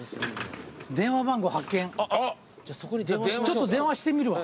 ちょっと電話してみるわ。